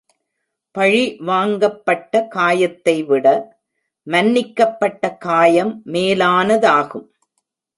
பழிவாங்கப்பட்ட காயத்தை விட, மன்னிக்கப்பட்ட காயம் மேலானதாகும்.